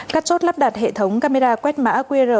các chốt lắp đặt hệ thống camera quét mã qr